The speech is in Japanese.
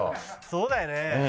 そうだよね。